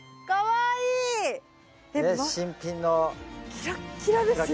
キラッキラですよ。